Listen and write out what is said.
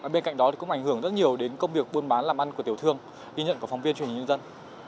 bên cạnh đó cũng ảnh hưởng rất nhiều đến công việc buôn bán làm ăn của tiểu thương ghi nhận của phóng viên truyền hình nhân dân